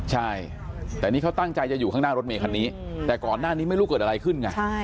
ใช่แต่นี่เขาตั้งใจจะอยู่ข้างหน้ารถเมคันนี้แต่ก่อนหน้านี้ไม่รู้เกิดอะไรขึ้นไง